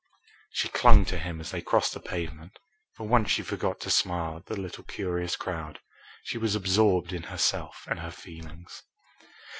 She clung to him as they crossed the pavement. For once she forgot to smile at the little curious crowd. She was absorbed in herself and her feelings.